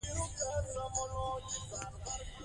څو تنه ژوندي پاتې سول؟